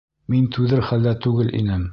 Мин түҙер хәлдә түгел инем.